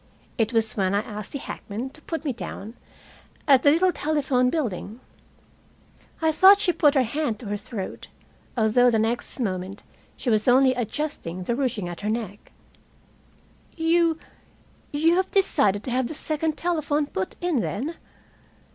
It was when I asked the hackman to put me down at the little telephone building. I thought she put her hand to her throat, although the next moment she was only adjusting the ruching at her neck. "You you have decided to have the second telephone put in, then?"